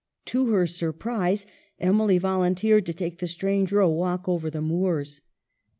To their surprise Emily volunteered to take the stranger a walk over the moors.